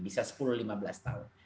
bisa sepuluh lima belas tahun